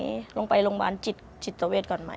ตอนนี้ลองไปโรงพยาบาลจิตจิตเวทก่อนไหม